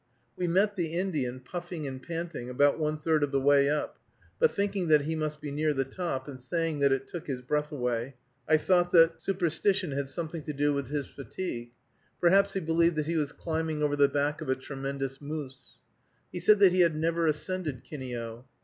We met the Indian, puffing and panting, about one third of the way up, but thinking that he must be near the top, and saying that it took his breath away. I thought that superstition had something to do with his fatigue. Perhaps he believed that he was climbing over the back of a tremendous moose. He said that he had never ascended Kineo.